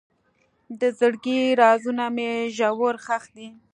د زړګي رازونه مې ژور ښخ دي.